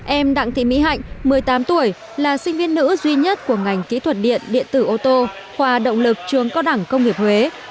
em đặng thị mỹ hạnh một mươi tám tuổi là sinh viên nữ duy nhất của ngành kỹ thuật điện điện tử ô tô khoa động lực trường cao đẳng công nghiệp huế